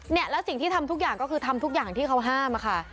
เนี่ยแล้วสิ่งที่ทำทุกอย่างก็คือทำทุกอย่างที่เขาห้ามอะค่ะ